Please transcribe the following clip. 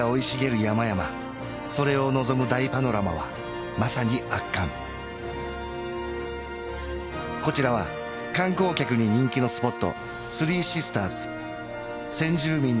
山々それを望む大パノラマはまさに圧巻こちらは観光客に人気のスポット